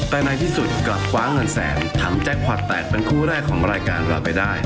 แต่ในที่สุดกลับคว้าเงินแสนทำแจ็คพอร์ตแตกเป็นคู่แรกของรายการเราไปได้